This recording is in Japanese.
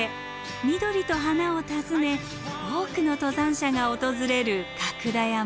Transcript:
緑と花を訪ね多くの登山者が訪れる角田山。